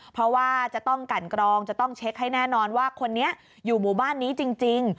เพราะว่าจะต้องกันกรองจะต้องเช็คให้แน่นอนว่าคนนี้อยู่หมู่บ้านนี้จริง